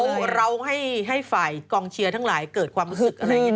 อันนี้มันการเราให้ฝ่ายกองเชียร์ทั้งหลายเกิดความรู้สึกอะไร